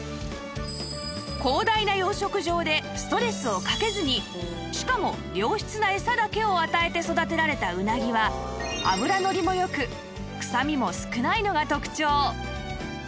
広大な養殖場でストレスをかけずにしかも良質な餌だけを与えて育てられたうなぎは脂のりも良くくさみも少ないのが特長